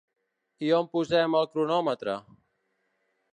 I on posem el cronòmetre?